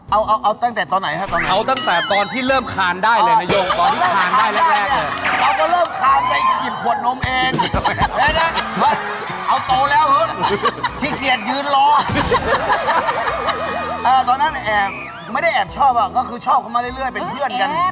เออตอนนั้นแอบไม่ได้แอบชอบก็คือชอบเขามาเรื่อยเป็นเพื่อนกัน